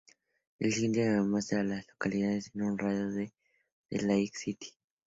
El siguiente diagrama muestra a las localidades en un radio de de Lake City.